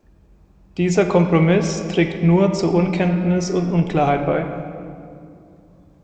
Dieser Kompromiss trägt nur zu Unkenntnis und Unklarheit bei.